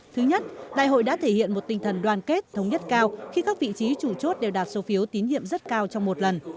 thứ nhất đại hội đã thể hiện một tinh thần đoàn kết thống nhất cao khi các vị trí chủ chốt đều đạt số phiếu tín hiệm rất cao trong một lần